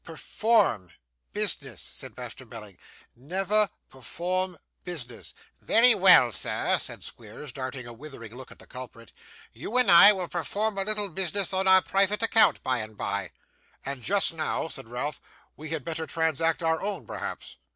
'Perform business!' said Master Belling. 'Never perform business!' 'Very well, sir,' said Squeers, darting a withering look at the culprit. 'You and I will perform a little business on our private account by and by.' 'And just now,' said Ralph, 'we had better transact our own, perhaps.